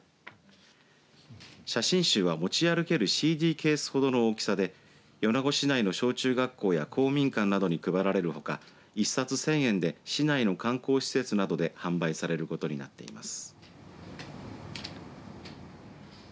写真集は、持ち歩けるＣＤケースほどの大きさで米子市内の小中学校や公民館などで配られるほか１冊１０００円で市内の観光施設などで販売されることになっています。